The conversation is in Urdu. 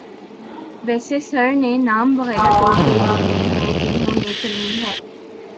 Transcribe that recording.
ویسے سر نے نام وغیرہ تو بھیج دیے ہیں جنہوں نے کرنی ہے۔